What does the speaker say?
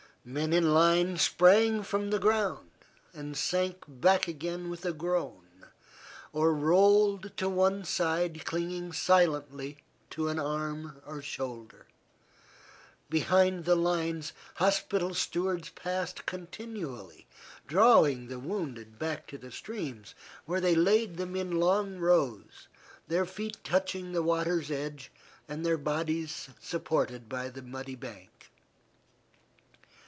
Men in line sprang from the ground and sank back again with a groan, or rolled to one side clinging silently to an arm or shoulder. Behind the lines hospital stewards passed continually, drawing the wounded back to the streams, where they laid them in long rows, their feet touching the water's edge and their bodies supported by the muddy bank.